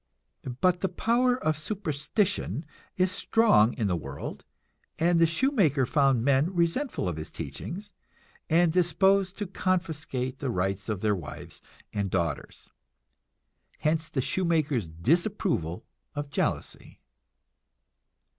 But the power of superstition is strong in the world, and the shoemaker found men resentful of his teachings, and disposed to confiscate the rights of their wives and daughters. Hence the shoemaker's disapproval of jealousy.